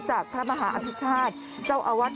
จากพระมหาอัพธิชชาติเจ้าอวัด